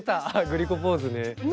グリコポーズね。